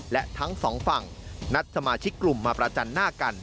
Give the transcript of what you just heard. และทั้งสองฝั่งนัดสมาชิกกลุ่มมาประจันหน้ากัน